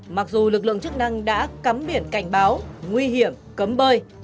mặc dù lực lượng chức năng đã cắm biển cảnh báo nguy hiểm cấm bơi